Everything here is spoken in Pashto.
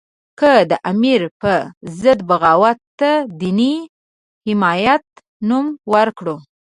که د امیر په ضد بغاوت ته دیني حمیت نوم ورکړو.